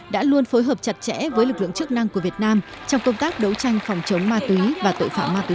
đã luôn phối hợp chặt chẽ với lực lượng chức năng của việt nam trong công tác đấu tranh phòng chống ma túy và tội phạm ma túy